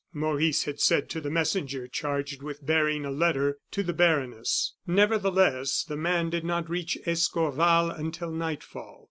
Maurice had said to the messenger charged with bearing a letter to the baroness. Nevertheless, the man did not reach Escorval until nightfall.